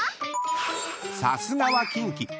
［さすがはキンキ］